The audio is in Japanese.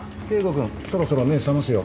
君そろそろ目覚ますよ。